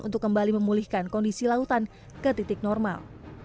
untuk kembali memulihkan kondisi lautan ke titik normal